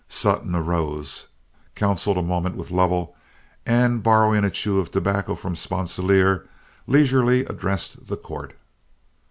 Sutton arose, counseled a moment with Lovell, and borrowing a chew of tobacco from Sponsilier, leisurely addressed the court.